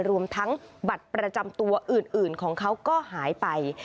รวมทั้งบัตรประจำตัวอื่นของเขาก็หายไป